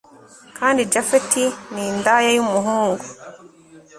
kandi japhet ni indaya yumuhungu